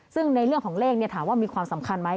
ซึ่งในเรื่องของเลขถามว่ามีความสำคัญไหม